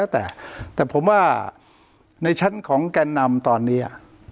แต่แต่ผมว่าในชั้นของแก่นำตอนนี้